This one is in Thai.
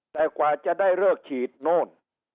แต่กว่าจะได้เลิกฉีดโน่น